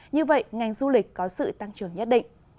như vậy ngành du lịch có sự tăng trưởng nhất định